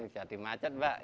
jadi macet pak